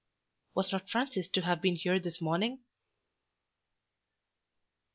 "Was not Francis to have been here this morning?"